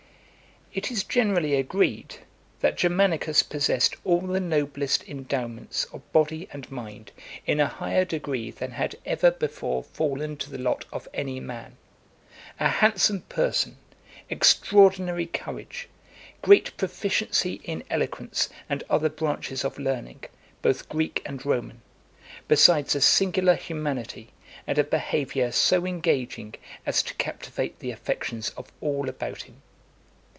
III. It is generally agreed, that Germanicus possessed all the noblest endowments of body and mind in a higher degree than had ever before fallen to the lot of any man; a handsome person, extraordinary courage, great proficiency in eloquence and other branches of learning, both Greek and Roman; besides a singular humanity, and a behaviour so engaging, as to captivate the affections of all about him.